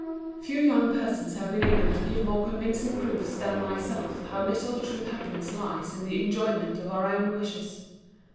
Few young persons have been able to give more convincing proofs than myself how little true happiness lies in the enjoyment of our own wishes.